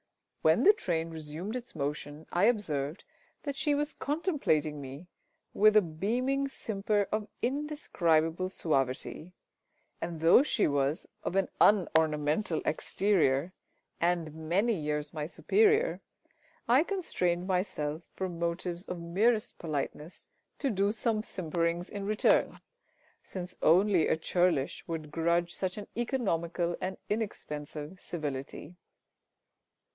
"] When the train resumed its motion, I observed that she was contemplating me with a beaming simper of indescribable suavity, and though she was of an unornamental exterior and many years my superior, I constrained myself from motives of merest politeness to do some simperings in return, since only a churlish would grudge such an economical and inexpensive civility.